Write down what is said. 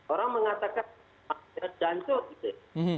orang mengatakan masyarakat jancur gitu ya